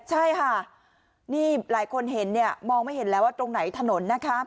ใช่ค่ะนี่หลายคนเห็นเนี่ยมองไม่เห็นแล้วว่าตรงไหนถนนนะคะ